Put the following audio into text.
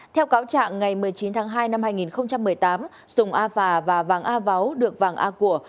theo cáo trạng ngày một mươi chín tháng hai năm hai nghìn một mươi tám sùng a phà và vàng a váu được vàng a của